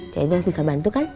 cik edo bisa bantu kan